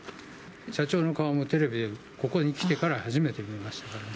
社長の顔もテレビで、ここに来てから初めて見ましたから。